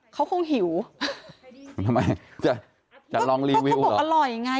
เขาคงหิวทำไมจะจะลองรีวิวบอกอร่อยไง